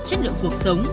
chất lượng cuộc sống